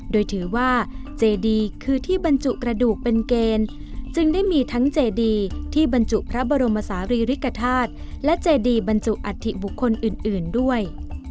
โดยถือว่าเจดีคือที่บรรจุกระดูกเป็นเกณฑ์จึงได้มีทั้งเจดีที่บรรจุพระบรมศาลีริกฐาตุและเจดีบรรจุอัฐิบุคคลอื่นด้วย